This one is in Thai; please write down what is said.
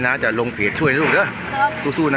อย่าลงเผียบช่วยนะ